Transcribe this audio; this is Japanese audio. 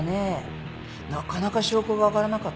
なかなか証拠が挙がらなかった。